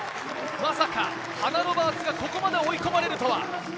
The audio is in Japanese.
まさかハナ・ロバーツがここまで追い込まれるとは。